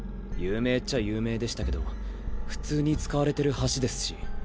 有名っちゃ有名でしたけど普通に使われてる橋ですし。